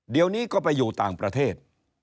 เดี๋ยวนี้ก็ไปอยู่ต่างประเทศ